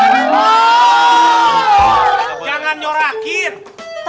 tidak itu orang orang ustaz ustaz